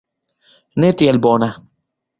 Ne tiel bona.